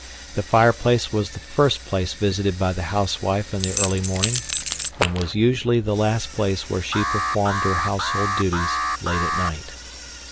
The fireplace was the first place visited by the housewife in the early morning, and was usually the last place where she performed her household duties late at night.